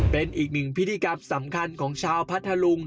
เป็นอีกหนึ่งพิธีกรรมสำคัญของชาวพัทธลุง